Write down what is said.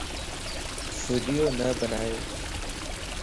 ويڊيو نه بنائي